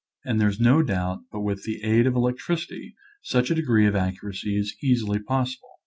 And there is no doubt but with the aid of electricity such a degree of accuracy is easily possible.